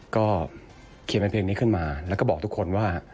ก็เขียนเป็นเพลงนี้ขึ้นมาแล้วก็บอกทุกคนว่า